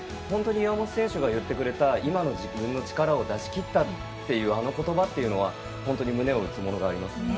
本当に岩本選手が言ってくれた今の自分の力を出し切ったというあの言葉というのは本当に胸を打つものがあります。